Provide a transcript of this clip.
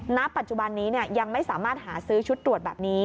ณปัจจุบันนี้ยังไม่สามารถหาซื้อชุดตรวจแบบนี้